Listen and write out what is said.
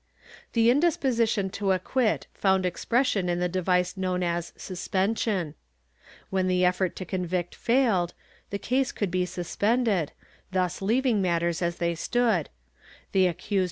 ^ The indisposition to acquit found expression in the device known as suspension. When the effort to convict failed, the case could be suspended, thus leaving matters as they stood; the accused was * Pablo Garcfa, loc.